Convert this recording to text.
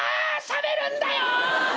しゃべるんだよ。